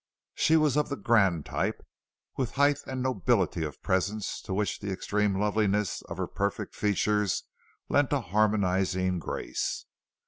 She was of the grand type, with height and a nobility of presence to which the extreme loveliness of her perfect features lent a harmonizing grace.